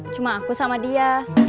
cuma aku sama dia